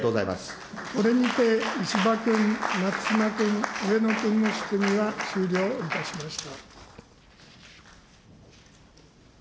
これにて石破君、松島君、上野君の質疑は終了いたしました。